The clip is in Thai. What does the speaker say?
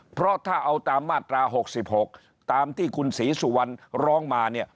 เพราะถ้าเอาตามมาตรา๖๖ตามที่คุณศรีสุวรรณร้องมาเนี่ย